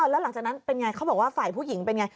แล้วหลังจากนั้นเป็นไงเขาบอกว่าฝ่ายผู้หญิงเป็นไง